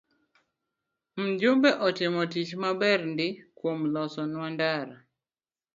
Mjumbe otimo tich maber ndii kuom loso nwa ndara